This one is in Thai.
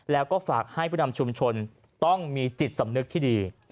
แล้วก็ฝากให้ผู้นำชุมชนต้องมีจิตสำนึกที่ดี